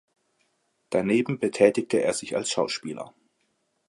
Daneben betätigte er sich als Schauspieler.